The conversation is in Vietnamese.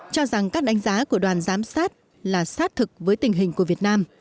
cho rằng các đánh giá của đoàn giám sát là sát thực với tình hình của việt nam